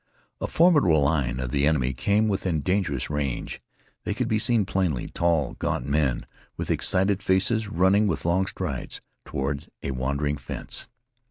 A formidable line of the enemy came within dangerous range. They could be seen plainly tall, gaunt men with excited faces running with long strides toward a wandering fence.